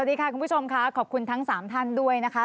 สวัสดีค่ะคุณผู้ชมค่ะขอบคุณทั้ง๓ท่านด้วยนะคะ